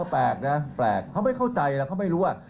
แปลกนะแปลกเขาไม่เข้าใจแล้วเขาไม่รู้ว่า